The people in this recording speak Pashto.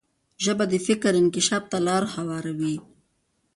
ژبه د فکر انکشاف ته لار هواروي.